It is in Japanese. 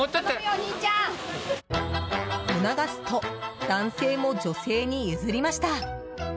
促すと男性も女性に譲りました。